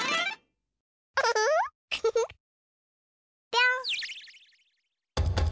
ぴょん。